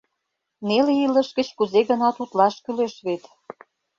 Неле илыш гыч кузе-гынат утлаш кӱлеш вет.